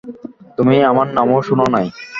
তুমি আমার নামও শুন নাই?